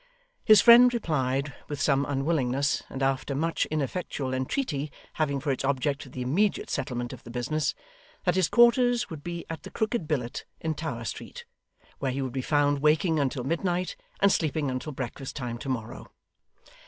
His friend replied with some unwillingness, and after much ineffectual entreaty having for its object the immediate settlement of the business, that his quarters would be at the Crooked Billet in Tower Street; where he would be found waking until midnight, and sleeping until breakfast time to morrow.